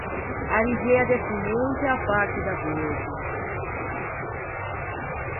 A Rivea de Ponente a parte da Vexima.